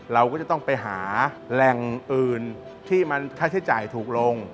เราก็จะต้องไปหาแหล่งอื่นที่มันค่าใช้จ่ายถูกลง